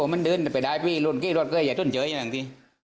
มันดึ้นแต่ไปได้พี่ลุ้นกี้รถเก้ยอย่าดึ้นเจ๋ยอย่างนี้